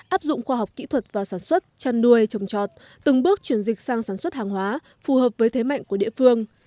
áp dụng khoa học kỹ thuật vào sản xuất chăn nuôi trồng trọt từng bước chuyển dịch sang sản xuất hàng hóa phù hợp với thế mạnh của địa phương